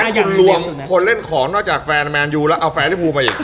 คุณรวมคนเล่นของจากแฟนแมนอยู่แล้วเอาแฟนไปให้พูดมาอีก